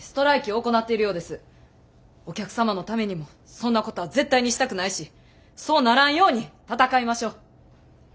お客様のためにもそんなことは絶対にしたくないしそうならんように闘いましょう！